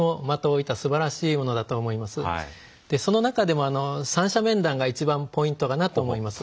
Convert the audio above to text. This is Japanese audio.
その中でも三者面談が一番ポイントかなと思います。